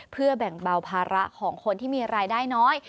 เพื่อแบ่งเบาภาระของคนที่มีรายได้น้อย